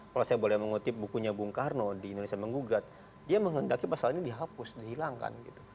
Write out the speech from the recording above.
kalau saya boleh mengutip bukunya bung karno di indonesia menggugat dia menghendaki pasal ini dihapus dihilangkan gitu